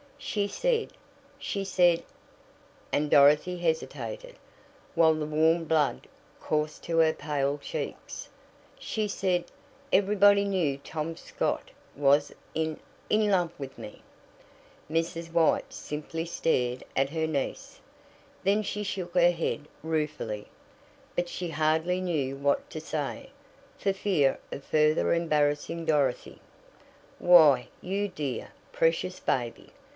"She said she said," and Dorothy hesitated, while the warm blood coursed to her pale cheeks "she said everybody knew Tom Scott was in in love with me!" Mrs. White simply stared at her niece. Then she shook her head ruefully, but she hardly knew what to say, for fear of further embarrassing Dorothy. "Why, you dear, precious baby!"